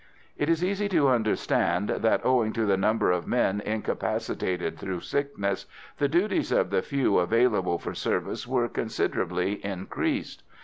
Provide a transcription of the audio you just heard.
It is easy to understand that, owing to the number of men incapacitated through sickness, the duties of the few available for service were considerably increased.